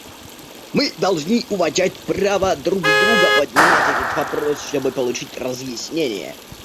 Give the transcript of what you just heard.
Мы должны уважать право друг друга поднимать этот вопрос, чтобы получить разъяснение.